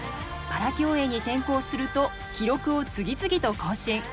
パラ競泳に転向すると記録を次々と更新。